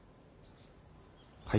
はい？